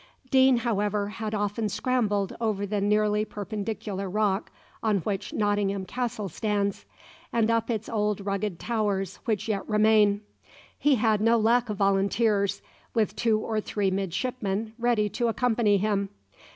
Deane, however, had often scrambled over the nearly perpendicular rock on which Nottingham Castle stands, and up its old rugged towers which yet remain. He had no lack of volunteers, with two or three midshipmen, ready to accompany him.